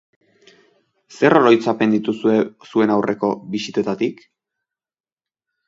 Zer oroitzapen dituzue zuen aurreko bisitetatik?